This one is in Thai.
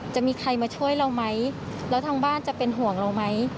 จะมีใครมาช่วยเราไหมแล้วทางบ้านจะเป็นห่วงเราไหม